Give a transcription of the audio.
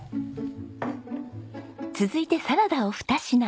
続いてサラダを２品。